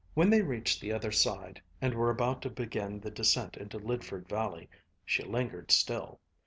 When they reached the other side, and were about to begin the descent into Lydford valley, she lingered still.